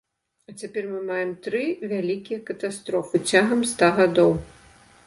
А цяпер мы маем тры вялікія катастрофы цягам ста гадоў.